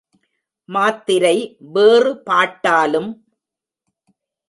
மாத்திரை வேறு பாட்டாலும்